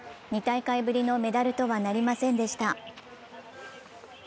２大会ぶりのメダルとはなりませんでした。